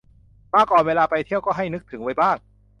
มาก่อนเวลาไปเที่ยวก็ให้นึกถึงไว้บ้าง